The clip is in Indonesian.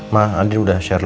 saat dia menyerang al